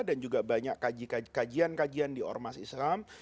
dan juga banyak kajian kajian di ormas islam